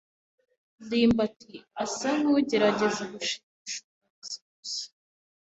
ndimbati asa nkugerageza gushimisha umuyobozi mushya.